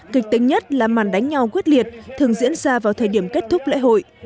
kịch tính nhất là màn đánh nhau quyết liệt thường diễn ra vào thời điểm kết thúc lễ hội